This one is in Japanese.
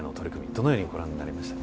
どのようにご覧になりました？